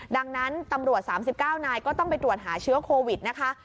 ดังนั้นตำรวจ๓๙นายก็ต้องไปตรวจหาเชื้อโควิดนะคะ